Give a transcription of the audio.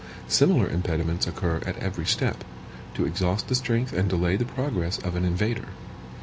Similar impediments occur at every step, to exhaust the strength and delay the progress of an invader.